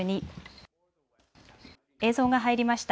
映像が入りました。